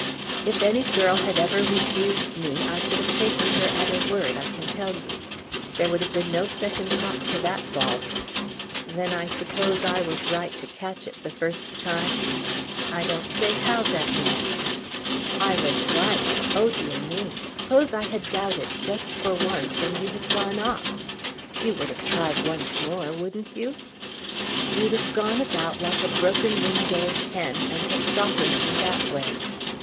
"If any girl had ever refused me, I should have taken her at her word, I can tell you. There would have been no second 'hop' to that ball." "Then I suppose I was right to catch it the first time?" "I don't say how that may be." "I was right. Oh, dear me! Suppose I had doubted, just for once, and you had gone off. You would have tried once more; wouldn't you?" "You'd have gone about like a broken winged old hen, and have softened me that way."